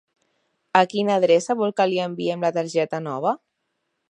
A quina adreça vol que li enviem la targeta nova?